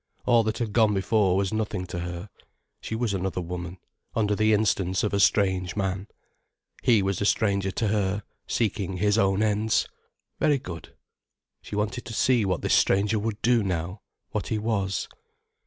All that had gone before was nothing to her. She was another woman, under the instance of a strange man. He was a stranger to her, seeking his own ends. Very good. She wanted to see what this stranger would do now, what he was.